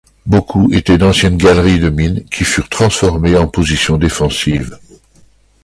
Beaucoup étaient d'anciennes galeries de mine qui furent transformées en positions défensives.